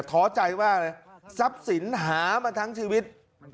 ท้อใจว่าซับศิลป์หามาทั้งชีวิต